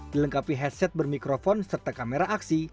dilengkapi headset bermikrofon serta kamera aksi